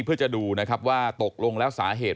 เพื่อจะดูนะครับว่าตกลงแล้วสาเหตุ